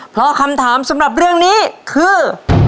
เพราะคำถามสำหรับเรื่องนี้คือ